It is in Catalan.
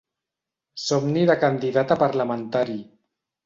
Somni de candidat a parlamentari.